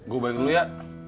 gue balik dulu ya